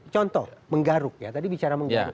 contoh menggaruk ya tadi bicara menggaruk